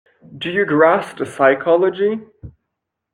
Do you grasp the psychology?